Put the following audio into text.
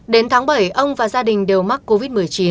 đến tháng bảy ông và gia đình đều mắc covid một mươi chín